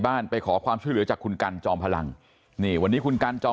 ไปขอความช่วยเหลือจากคุณกันจอมพลังนี่วันนี้คุณกันจอม